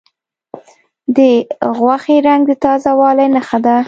د غوښې رنګ د تازه والي نښه ده.